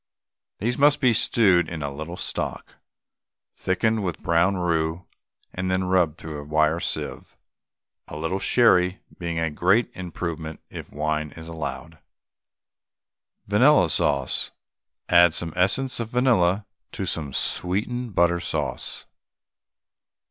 These must be stewed in a little stock, thickened with brown roux, and then rubbed through a wire sieve, a little sherry being a great improvement if wine is allowed. VANILLA SAUCE. Add some essence of vanilla to some sweetened butter sauce.